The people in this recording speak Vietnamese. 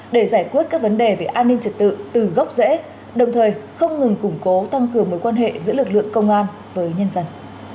để giải quyết các vấn đề về an ninh trật tự từ gốc rễ đồng thời không ngừng củng cố tăng cường mối quan hệ giữa lực lượng công an với nhân dân